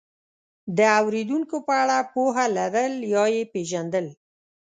د اورېدونکو په اړه پوهه لرل یا یې پېژندل،